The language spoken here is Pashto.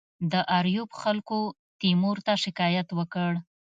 د آریوب خلکو تیمور ته شکایت وکړ.